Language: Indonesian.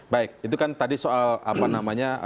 baik itu kan tadi soal apa namanya